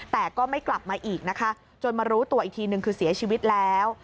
แต่ก็ไม่กลับมาอีกนะคะจนมารู้ตัวอีกทีนึงคือเสียชีวิตแล้ว